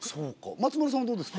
松丸さんはどうですか？